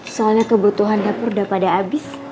soalnya kebutuhan dapur udah pada abis